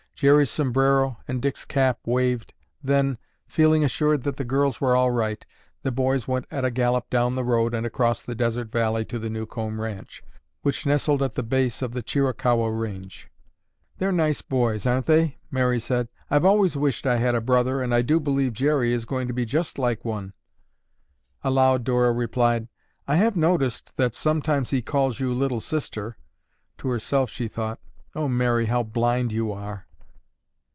Jerry's sombrero and Dick's cap waved, then, feeling assured that the girls were all right, the boys went at a gallop down the road and across the desert valley to the Newcomb ranch which nestled at the base of the Chiricahua range. "They're nice boys, aren't they?" Mary said. "I've always wished I had a brother and I do believe Jerry is going to be just like one." Aloud Dora replied, "I have noticed that sometimes he calls you 'Little Sister.'" To herself she thought: "Oh, Mary, how blind you are!"